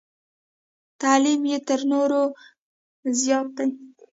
تعلیم یې تر نورو زیات دی.